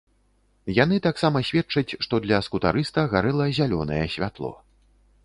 Яны таксама сведчаць, што для скутарыста гарэла зялёнае святло.